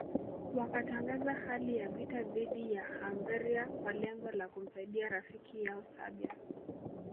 Wakatangaza hali ya vita dhidi ya Hungaria kwa lengo la kumsaidia rafiki yao Serbia